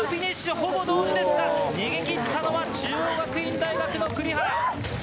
ほぼ同時ですが逃げ切ったのは中央学院大学の栗原。